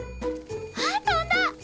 あっ飛んだ！